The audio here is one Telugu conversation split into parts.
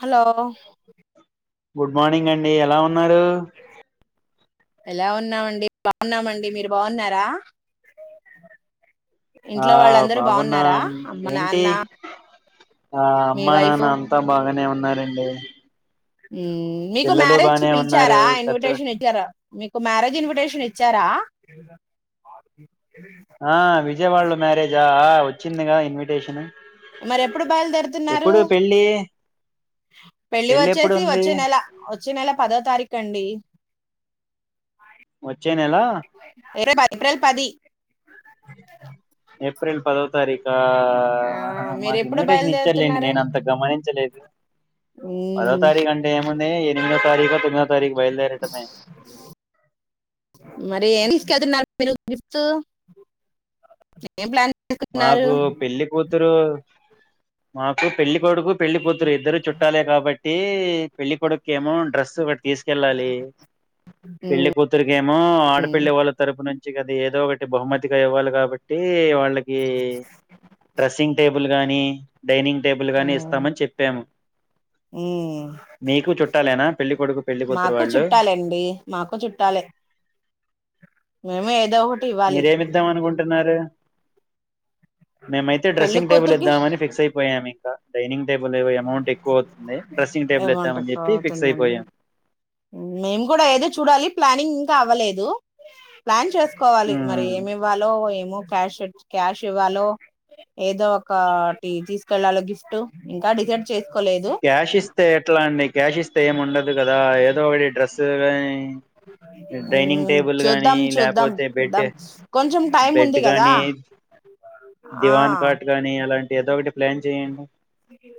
హలో గుడ్ మార్నింగ్ అండి ఎలా ఉన్నారు. ఎలా ఉన్నామండి బాగున్నామండి మీరు బాగున్నారా ఆ ఇంట్లో వాళ్ళందరు బాగున్నారా బాగున్నాం అమ్మ ఏంటి నాన్న ఆ మీ అమ్మా వైఫ్ నాన్న అంతా బాగానే ఉన్నారండి. మీకు పిల్లలు మ్యారేజ్ కి బానే ఉన్నారు పిలిచారా పెద్ద ఇన్విటేషన్ ఇచ్చా మీకు మ్యారేజ్ ఇన్విటేషన్ ఇచ్చారా? ఆ విజయవాళ మ్యారేజా వచ్చిందిగా ఇన్విటేషన్ మరి ఎప్పుడు బయలుదేరుతున్నారు? ఎప్పుడు పెళ్ళి పెళ్లి పెళ్ళి ఎప్పుడు వచ్చేసి ఉంది వచ్చే నెల్ వచ్చ నెల పదో తారీఖ అండి వచ్చే నెల ఏ ఏప్రిల్ పది ఏప్రిల్ పదో తారీఖా ఆ మీరు మాకు ఎప్పుడు ఇన్విటేషన్ ఇచ్చర్లేండి. నేను అంత గమనించలేదు. ఓ పదో తారీఖు అంటే ఏముంది. ఎనిమిదో తారీఖు తొమ్మిదో తారీఖు బయలుదేరటమే. ఏ తీసుకెలుతున్నారు మీ గిఫ్ట్ ఏం ప్లాన్ మాకు పెళ్ళి కూతురు మాకు పెళ్లి కొడుకు, పెళ్లి కూతురు ఇద్దరు చుట్టాలే కాబట్టి పెళ్లి కొడుకు ఇకేమో డ్రెస్ ఒకటి తీసుకెళ్ళాలి పెళ్లి కూతురికేమో ఆడపెళ్లి చేసుకున్నారు వాళ్ళ తరపు నుంచి గ ఏదో ఒకటి బహుమతిగా ఇవ్వాలి కాబట్టి వాళ్ళకి ఈ డ్రెస్సింగ్ టేబుల్ గాని డైనింగ్ టేబుల్ గానీ ఇస్తామని చెప్పాము. ఊహ్ మీకు చుట్టాలేనా పెళ్లి కొడుకు పెళ్లి కూతురు మాకు వాళ్ళు చుట్టాలండి మాకు చుట్టాలె మేము ఏదో ఇవ్వాలి మీరేమిద్దాం అనుకుంటున్నారు. మేమైతే పెళ్లి డ్రెస్సింగ్ టేబుల్ కూతురికి ఇద్దామని ఫిక్స్ అయిపోయాము. ఇంకా డైనింగ్ టేబుల్లయాము. అమౌంట్ ఎక్కువ అవుతుంది. డ్రెస్సింగ్ టేబుల్ ఇద్దామని ఏమంటారు చెప్పి ఫిక్స్ అవుతుందండి అయిపోయాం. మేము కూడా ఏదో చూడాలి ప్లానింగ్ ఇంకా అవ్వలేదు ప్లాన్ చేస్ కోవాలి మరి ఉమ్, ఏమి ఇవ్వాలో ఏమో క్యాష్ క్యాష్ ఇవ్వాలో ఏదో ఒకటి తీసుకెళ్లాలో గిఫ్ట్ ఇంకా డిసైడ్ చేసి క్యాష్ ఇస్తే ఎట్లా అండి. క్యాష్ ఇస్తే ఏమి ఉండదు. కదా ఏదో ఒకడి డ్రెస్సు కాని డైనింగ్ మ్, టేబుల్ గానీ చూద్దాం చూద్దాం లేకపోతే బెడ్ చూద్దాం కొంచెం టైం బెడ్ ఉంది కదా కానీ ఆ దివాన్ కార్ట్ గాని అలాంటి ఏదో ఒకటి ప్లాన్ చేయండి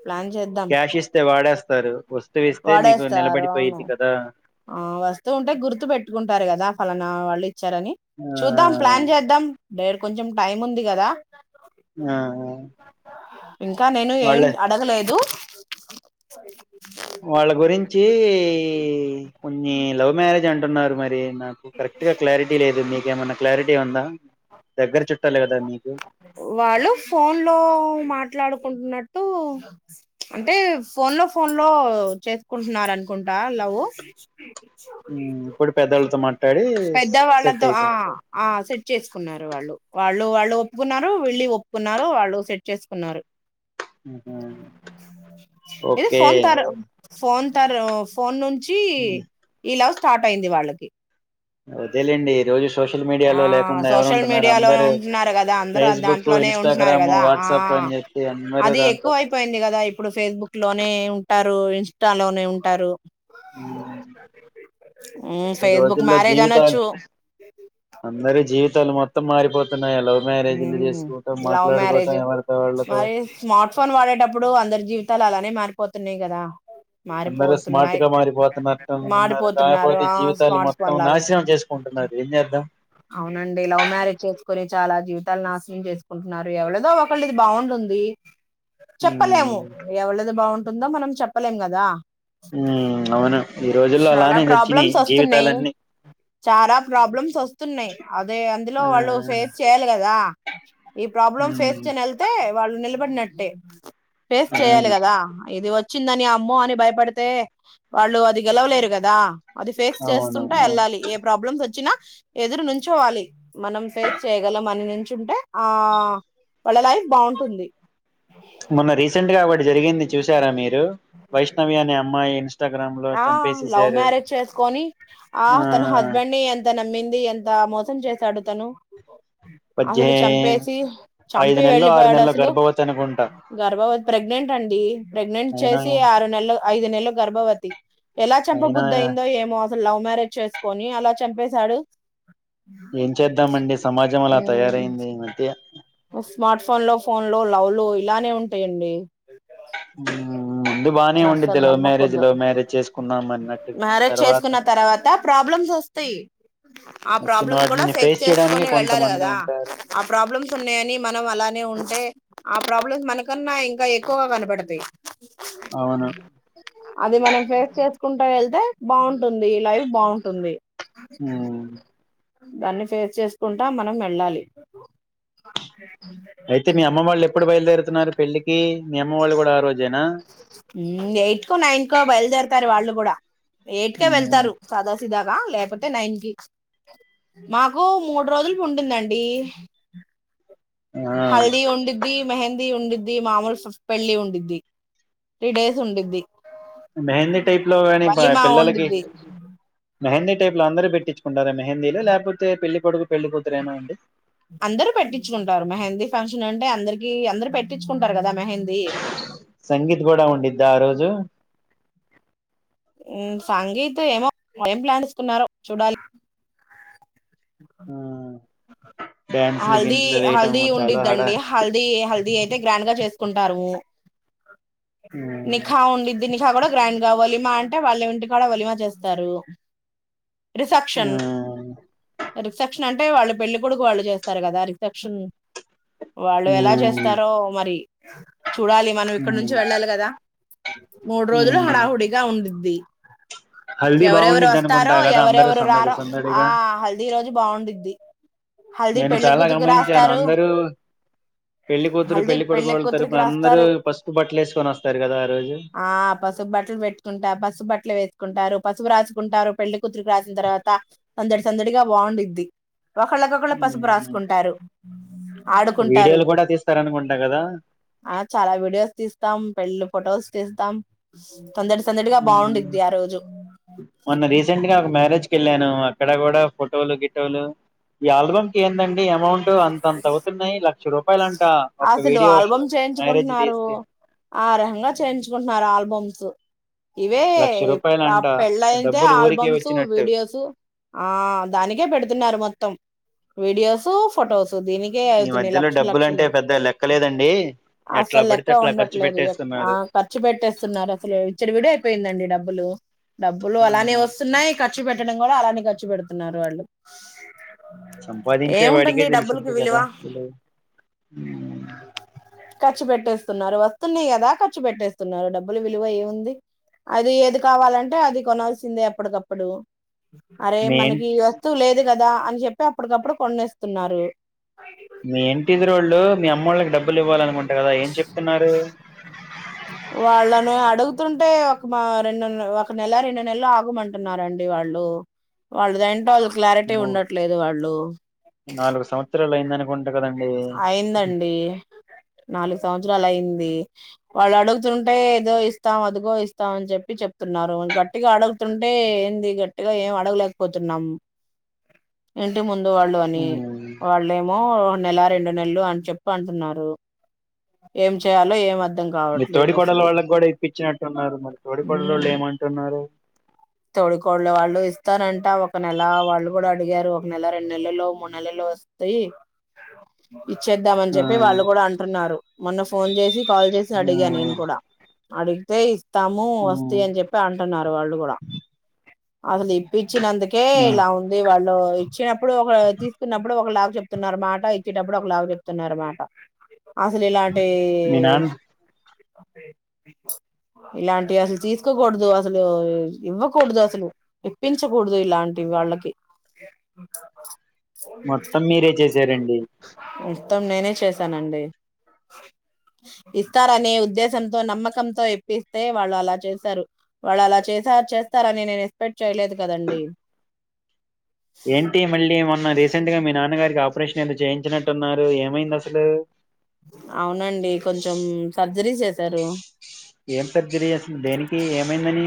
ప్లాన్ చెద్ క్యాష్ ఇస్తే వాడేస్తారు. వస్తువు ఇస్తే మీకు వాడేస్తారు అవును నిలబడిపోయిద్ది కదా ఆ వస్తూ ఉంటే గుర్తు పెట్టుకుంటారు కదా ఫలానా వాళ్ళే సరే అని ఆ చూద్దాం ప్లాన్ చేద్దాం. డేరు కొంచెం టైం ఉంది కదా ఆ ఇంకా నేను వాళ్ళ ఏం అడగలేదు. వాళ్ళ గురించి కొన్ని లవ్ మ్యారేజ్ అంటున్నారు మరి నాకు కరెక్ట్ గా క్లారిటీ లేదు. మీకేమైన్నా క్లారిటీ ఉందా. దగ్గర చుట్టాలే కదా మీకు వాళ్ళు ఫోన్ లో మాట్లాడు కుంటున్నట్టు అంటే ఫోన్ లో ఫోన్ లో చేసుకుంటున్నారు అనుకుంటా. నవు ఉమ్, ఇప్పుడు పెద్దోళ్ళతో మాట్లాడి సెట్ పెద్దవాళ్ళతో ఆ అయిపో ఆ సె చేసుకున్నారు. వాళ్ళు వాళ్ళు వాళ్ళు ఒప్పుకున్నారు. వెళ్ళి ఒప్పుకున్నారు. వాళ్ళు సెట్ చేసుకున్నారు. ఆహా ఏది ఓకే ఫోన్ తార ఫోన్. తారు ఫోన్ నుంచి ఈ లవ్ స్టార్ట్ అయింది వాళ్లకి వోద్దులేండి ఈరోజు స్ సోషల్ మీడియా ఆ లో లేకుండా సోషల్ ఎవరుంటున్నారు మీడియాలో అందరు ఉంటున్నారు కదా అందరూ ఫేస్బుక్, ఇంస్టాగ్రాము, వాట్సపు. అ అది ఎక్కువ అయిపోయింది కదా ఇప్పుడు ఫేస్బుక్లోన్ నే ఉంటారు ఇన్స్టాలోనే ఉంటారు. ఉమ్, ఊ ఈ ఫేస్బుక్ రోజుల్లో జీవితాలు మారజనొచు అందరి జీవితాలు మొత్తం మారిపోతు ఊ లవ్ మ్యారేజ్ మాట్లాడుకోవటం ఎవరితో వాళ్ళతో మరి స్మార్ట్ ఫోన్ వాడేటప్పుడు అందరి జీవితాలు అలానే మారిపోతున్నాయి కదా. అందరూ స్మార్ట్ మారిపోతున్నాయి గా మారిపోతున్నరటు అనుకున్నారు మారిపోతున్నారు కాకపోతే ఆ జీవితాలు స్మార్ట్ మొత్తం ఫోన్ లాగానే నాశనం చేసుకుంటున్నారు. మరి ఏం చేద్దాం. అవునండి లవ్ మ్యారేజ్ చేసుకొనీ చాలా జీవితాలను నాశనం చేసుకుంటున్నారు ఎవలదో ఒకళ్ళది బాగుంటుంది. చెప్పలేము ఉమ్, ఎవళది బాగుంటుందో మనం చెప్పలేం కదా. ఊ అవును ఈ రోజుల్లో చాలా అలానే చచ్చినాయి ప్రాబ్లమ్స్ వస్తున్నాయి జీవితాలన్నీ. చాలా ప్రాబ్లమ్స్ వస్తు న్నాయి అదే అందులో ఆ వాళ్ళు ఫేస్ చేయాలి కదా ఇ ప్రాబ్లం ఫేస్ ఉమ్, చెనెళ్తే వాళ్ళు. నిలబడినట్టే ఫేస్ చేయాలి అవును కదా ఇది వ చ్చిందని అమ్మో అని భయపడితే వాళ్ళు అది గెలవలేరు కదా. అది ఫేస్ అవును చేస్తుంటా అవును. వెళ్ళాలి ఏ ప్రాబ్లమ్స్స్ వచ్చినా ఎదురు నుంచోవాలి మనం ఫేస్ చేయగలం అని నుంచుంటే ఆ వాళ్ళ లైఫ్ బాగుంటుంది. మొన్న రీసెంట్ గా ఒకటి జరిగింది చూసారా మీరు. వైష్ణవి అనే అమ్మాయి ఇన్స్టాగ్రామ్ లో ఆ లవ్ చంపేసెసారు మ్యారేజ్ ఆ అని ఎంత నమ్మింది ఎంత మోసం చేశాడు తను పజ్జే అసలు చంపేసి ఐదు చంపి నెలలు ఆరు వెళ్ళిపోయాడు నెలలు అసలు. గర్భవతి అనుకుంటా గర్భవ ప్రెగ్నెంట్ అండి ప్రెగ్నెంట్. అయినా చేసి ఆరు నెల్లు ఐదు నెల్లు గర్భవతి ఎలా అయినా చంపబుద్దయిందో ఏమో లవ్ మ్యారేజ్ చేసుకొని అలా చంపేశాడు. ఏం చేద్దాంమండి సమాజం అలా తయారయింది ఈ మధ్య ఒ స్మార్ట్ ఫోన్ లో ఫోన్లో లవ్లు ఇలానే ఉంటాయండి ఊ ముందు బానే ఉండిది అస్సలు లవ్ మ్యారేజ్ నమ్మకూడదు లవ్ మ్యారేజ్ చేసుకుందాం అన్నట్టుగా తర్వాత ఇసస్తయి ఆ వచ్చిన ప్రాబ్లమ్ కూడా వాటిని ఫేక్ ఫేస్ చేయడానికి చేసుకుని వెళ్ళాలి కొంతమంది కదా ఉంటారు ఆ ప్రాబ్లమ్స్ ఉన్నయని ఇ మనం అలానే ఉంటే ఆ ప్రాబ్లమ్స్ మనకన్నా ఇంకా ఎక్కువగా కనపడతాయి అవును ఊ అది మనం ఫేస్ చేస్ కుంటా వెళ్తే బాగుంటుంది లైఫ్ బాగుంటుంది ఊ దాన్ని ఫేస్ చేసుకుంటా మనం వెళ్ళాలి అయితే మీ అమ్మ వాళ్ళు ఎప్పుడు బయలుదేరుతున్నారు పెళ్ళికి మీ అమ్మ వాళ్ళు కూడా ఆ రోజేనా ఊ ఎయిట్ కు నైన్ కు బయలుదేరతారు వాళ్ళు కూడా ఎయిట్క ఉమ్. వెళ్తారు సదస్ ఇదాగా లేకపోతే నైన్ కి మాకు మూడు రోజులు పుంటుందండి ఆ హల్ది ఉండిద్ది మెహందీ ఉండిద్ది ది మామూలు ఫె పెళ్ళి ఉండిద్ది త్రీ డేస్ ఉండిద్ది మెహందీ టైప్ లో కానీ బ వలీమా పిల్లలకి ఉండిద్ది మెహందీ టైప్ లో అందరూ పెట్టించుకుంటారా మెహందీలు లేకపోతే పెళ్లి కొడుకు పెళ్లి కూతురురేనా అండి అందరు పెట్టించుకుంటారు మెహందీ ఫంక్షన్ అంటే అందరికి అందరు పెట్టించుకుంటారు కదా మెహందీ సంగీత్ కూడా ఉండిద్దా ఆ రోజు ఊ సంగీత్ ఏమో ఏం ప్లాన్ చేసుకున్నారో చూడాలి ఆ డ్యాన్సులు హల్దీ గిన్సులు వేయటం హల్దీ చాలా హడా ఉడిద్దండి హల్దీ హల్దీ అయితే గ్రాండ్ గా చేస్ ఉంటారు ఓ ఆ ఒలిమా అంటే వాళ్ళ ఇంటి కూడా ఒలిమా చేస్తారు రిసెప్షన్ ఉమ్ రిసెప్షన్ అంటే వాళ్ళు పెళ్లి కొడుకు వాళ్ళు చేస్తారు కదా రిఫెక్షన్ వాళ్ళు ఎలా ఉమ్ చేస్తారో మరి చూడాలి మనం ఇక్కడ నుంచి వెళ్ళాలి కదా మూడు రోజులు ఉమ్ హడాహుడిగా ఉండిద్ది హల్దీ ఎవరెవరు బాగుండిద్ది వస్తారో అనుకుంటా కదా అందరూ ఎవరెవరు సందడి రారో ఆ సందడిగా హల్దీ రోజు బాగుండుద్డి [inaudible] నేను చాలా గమనించాను అందరూ పెళ్లి కూతురు హల్దీ పెళ్లి కొడుకు వాళ్ళు తరుపున కూతురికి అందరూ రాస్తారు పసుపు బట్టలు ఏసుకొని అస్తారు కదా ఆ రోజు ఆ పసుపు బట్టలు పెట్టుకుంటారు పసుపు బట్టలు వేసుకుంటారు పసుపు రాసుకుంటారు పెళ్లి కూతురుకి రాసిన తర్వాత సందడి సందడిగా బాగుండిద్డి ఒకళ్ళ పసుపు ఉమ్ రాసుకుంటారు ఆడుకుంటారు. వీడియోలు కూడా తీస్తారనుకుంటా కదా ఆ చాలా వీడియోస్ తీస్తాం పెళ్ళు ఫోటోస్ తీస్తాం సందడి సందడిగా ఉమ్ బాగుండిద్ది ఆ రోజు మొన్న రీసెంట్ గా ఒక మ్యారేజ్ వెళ్ళాను అక్కడ కూడా ఫోటోలు గిటోలు ఈ ఆల్బమ్ కేందంట్ కి అమౌంట్ అంతంత అవుతున్నాయి లక్ష రూపాయలు అంటే అసలు ఆల్బమ్ చేయించుకుంటున్నారు తీస్తే ఆ రకంగా చేయించుకుంటున్నారు ఆల్బమ్స్ ఇవే లక్ష రూపాయలంట పెళ్ళయితే డబ్బులు ఊరికే ఆల్బమ్స్, వచ్చినట్టు వీడియోస్ ఆ దానికే పెడుతున్నారు మొత్తం వీడియోస్, ఫొటోస్ సో దీనికే అవుతున్నయ్ లక్షల్ లక్షలు. ఇక్కలేదండి అసలు లెక్క ఉండట్లేదు ఖర్చు పెట్టేస్తున్నారు అసలు ఇచ్చడి విడి అయిపోయిందండి డబ్బులు డబ్బులు అలానే ఉమ్, వస్తున్నాయి ఖర్చు పెట్టడం కూడా అలానే ఖర్చు పెడుతున్నారు వాళ్ళు సంపాదించే వాడికే ఏముంటుంది డబ్బులకి తెలిసిద్ది విలువ కదా ఇలా. ఉమ్, ఖర్చు పెట్టేస్తున్నారు వస్తున్నాయి కదా ఖర్చు పెట్టేస్తున్నారు డబ్బులు విలువ ఏముంది. అది ఏది కావాలంటే అది కొనల్సిందే ఎప్పటికప్పుడు అరే మీ మనకి ఈ వస్తువు లేదు కదా అని చెప్పి అప్పటికప్పుడు కొనేస్తున్నారు. మీ ఇంటిది రోళ్ళు మీ అమ్మ వాళ్ళకి డబ్బులు ఇవ్వాలి వాళ్ళను అడుగుతుంటే మా రెండు ఒక నెల రెండు నెలలు ఆగుమంటున్నారండి వాళ్ళు వాళ్ళది అయినతరువాత [inaudible] క్లారిటీ అమ్మో, ఉండట్లేదు వాళ్ళు నాలుగు సంవత్సరాలు అయిందనుకుంట కదండి అయిందండి నాలుగు సంవత్సరాలు అయింది. వాళ్ళు అడుగుతుంటే ఏదో ఇస్తాం అదిగో ఇస్తాం అని చెప్పి చెప్తున్నారు గట్టిగా అడుగుతుంటే ఏంది గట్టిగా ఏం అడగలేకపోతున్నాం ఇంటిముంద్ ముందు వాళ్ళు అని ఉమ్, వాళ్ళ ఏమో నెల రెండు నెలలు అని చెప్పి అంటున్నారు. ఏం చేయాలో ఏం అర్థ మీ తోడి కొడలు వాళ్ళకి కూడా ఇప్పించినట్టున్నారు మరి తోడి కొడలు వాళ్ళు ఏమంటున్నారు? తోడి కోడ్ళ్లు వాళ్ళు ఇస్తారంట ఒక నెల వాళ్ళు కూడా అడిగారు ఒక నెల రెండు నెలలో మూడు నెలలో వస్తయి ఇచ్చేద్దామని ఆ చెప్పి వాళ్ళు కూడా అంటున్నారు. మొన్న ఫోన్ చేసి కాల్ చేసి ఆ అడిగా నేను కూడా అడిగితే ఇస్తాము వస్తయ్ ఉమ్, అని చెప్పి అంటున్నారు వాళ్ళు కూడా అసలు ఇప్పించినందుకే మీ ఇలా ఉంది. వాళ్ళు ఇచ్చినప్పుడు ఒక తీసుకున్నప్పుడు ఒక లాగ్ చెప్తున్నారుమాట ఇచ్చేటప్పుడు ఒక లాగ చెప్తున్నారు మాట అసల్ ఇలాంటీ మీ నాన్న ఇలాంటివి అసలు తీసుకోకూడదు అసలు ఊ ఇవ్వకూడదు అసలు ఇప్పించకూడదు ఇలాంటివి వాళ్ళకి మొత్తం మీరే చేసారండి మొత్తం నేనే చేశానండి. అ ఇస్తారనే ఉద్దేశంతో, నమ్మకంతో, ఇప్పిస్తే వాళ్ళు అలా చేసారు వాళ్ళు అలా చేస్. తార్ చేస్తారని నేను ఎక్స్పెక్ట్ చేయలేదు కదండి ఏంటి మళ్ళీ మ ఉన్న రీసెంట్ గా మీ నాన్నగారికి ఆపరేషన్ ఏందో చేయించినట్టున్నారు ఏమైంది అసలూ. అవునండీ కొంచెం సర్జరీ చేసారు ఏం సర్జరీ అసల్ దేనికీ ఏమైందని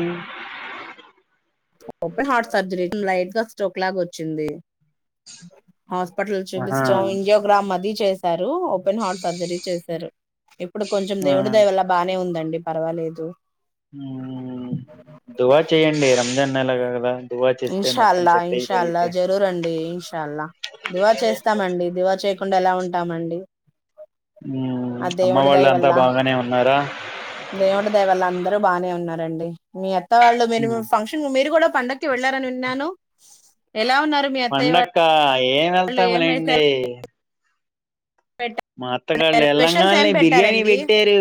[unintelligible] హార్ట్ సర్జరీ లైట్ గా స్ట్రోక్ లాగ ఒచ్చింది. హాస్పిటల్ ఆహా చూపిచచచాం ఇంజియోగ్రామ్ అది చేశారూ ఓపెన్ హార్ట్ సర్జరీ చేశారు. ఎ ఇప్పుడు కొంచెం ఆ దేవుడి దయ వల్ల బానే ఉందండి పర్వాలేదు. దువా చెయండి రంజాన్ నల గదా ఇన్షాల్లా, ఇన్షాల్లా, జరూర్ అండీ ఇన్షాల్లా. దువా చేస్తామండి, దివా చేయకుండా ఎలా ఉంటామండి. మ్మ్ అ అమ్మ దేవుడు వాళ్ళు అంతా దయవల్ల, బాగానే ఉన్నారా దేవుడు దయవల అన్. అందరు బానే ఉన్నారండి, మీ అత్త వాళ్ళు మీరు మ్మ్ ఫంక్షన్ మీరు గూడా పండగ్. క్కి వెళ్ళారని విన్నాను ఉన్నారు మీ అత్తయ్య పండక్కా ఏం వాళ్ళు ఏం వేశారు వెళ్తాములేండి పెట్టారు మా అత్తగాల్లు స్పెషల్స్ ఏం ఎల్లంగాల్నే బిర్యాణి పెట్టారండి పెట్టారు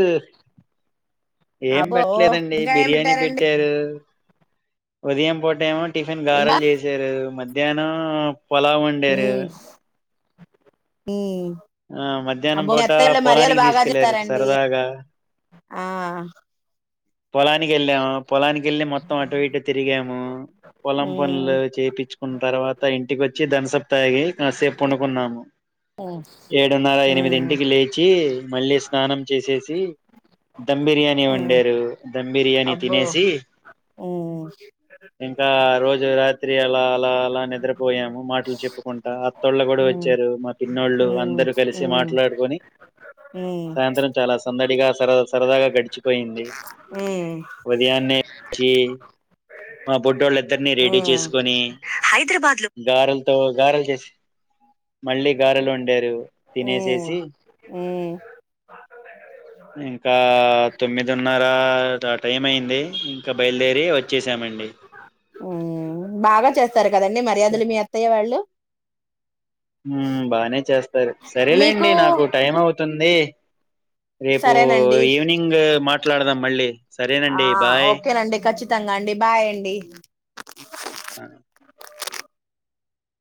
ఏం అబో పెట్లేదండి ఇంకా ఏం బిర్యానీ పెట్టారండి పెట్టారు ఉదయం పూట ఏమో టిఫిన్ ఇంకా గారెలు చేసారూ మధ్యాహ్నం పొలావ్ ఒండారు ఊ ఆ మధ్యాహ్నం పూట పొలానికి బాగా దీసుకెళ్లారు చేస్తారండి సరదాగా ఆ పొలానికి ఎళ్ళాము, పొలానికెళ్ళి మొత్తం అటు ఇటు తిరిగాము. పొలం ఉమ్ పనులు చేపిచ్చుకున్ తర్వాత ఇంటికి వచ్చి, థంసప్ తాగీ, కాసేప్ పండుకున్నాము. ఉమ్ ఏడున్నర ఉమ్ ఎనిమిదింటికి లేచీ మళ్ళి తానం చేసేసి ధమ్ బిర్యానీ ఉమ్ వండారు ధమ్ బిర్యానీ అబ్బో తినేసీ ఉమ్ ఇంకా ఆ రోజు రాత్రి అలా, అలా, అలా, నిద్రపోయాము మాటలు చెప్పుకుంటా. త్తోళ్ళ గూడా ఉమ్ వచ్చారు మా పిన్నోళ్ళు ఉమ్ అందరు కలిసి మాట్లాడుకొని. ఊ సాయంత్రం చాలా సందడిగా సర సరదాగా గడిచిపోయింది ఉమ్ ఉదయాన్నే [inaudible] చి మా బుడ్డోళ్ళిద్దరిని రెడీ ఉమ్ చేసుకొని హైదరాబాద్ లో గారెల్తో గారెల్ చేసి మళ్ళీ గారలు వండారు ఉమ్ తినేసేసి ఉమ్ ఇంకా తొమ్మిదున్నరా టాటా టైం అయింది, ఇంకా బయలుదేరి వచ్చేసామండి. ఉమ్ బాగా చేస్తారు కదండి స మర్యాదలు మీ అత్తయ్య వాళ్ళు హూమ్ బానే చేస్తారు మీకు సరేలేండి నాకు టైం అవుతుందీ. రేపూ సరేనండి ఈవినింగ్ మాట్లాడదాం మళ్ళీ సరేనండీ బాయ్. త్తంగా అండి బాయ్ అండి అ